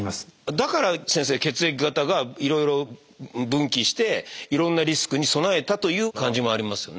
だから先生血液型がいろいろ分岐していろんなリスクに備えたという感じもありますよね？